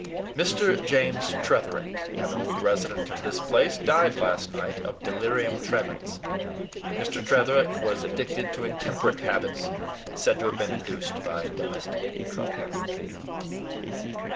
Mr. James Tretherick, an old resident of this place, died last night of delirium tremens. Mr. Tretherick was addicted to intemperate habits, said to have been induced by domestic trouble.